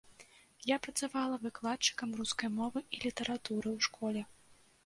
Я працавала выкладчыкам рускай мовы і літаратуры ў школе.